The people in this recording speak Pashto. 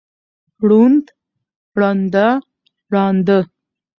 ړوند، ړنده، ړانده